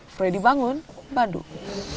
freddy bangun bandung